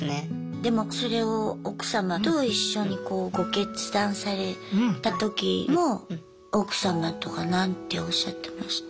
でもそれを奥様と一緒にご決断された時も奥様とか何ておっしゃってました？